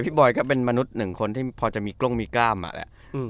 บอยก็เป็นมนุษย์หนึ่งคนที่พอจะมีกล้องมีกล้ามอ่ะแหละ